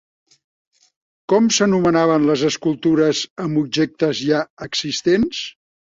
Com s'anomenaven les escultures amb objectes ja existents?